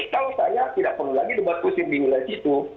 jadi kita tidak perlu lagi membahas kursi kursi di nilai situ